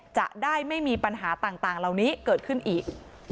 จะได้ไม่มีปัญหาต่างเหล่านี้เกิดขึ้นอีก